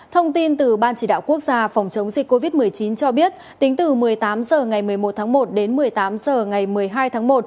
thông tin từ ban chỉ đạo quốc gia phòng chống dịch covid một mươi chín cho biết tính từ một mươi tám h ngày một mươi một tháng một đến một mươi tám h ngày một mươi hai tháng một